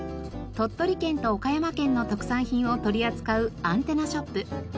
鳥取県と岡山県の特産品を取り扱うアンテナショップ。